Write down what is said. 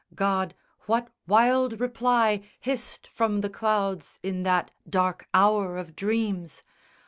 God, what wild reply Hissed from the clouds in that dark hour of dreams?